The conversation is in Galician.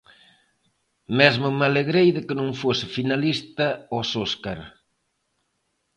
Mesmo me alegrei de que non fose finalista aos Óscar.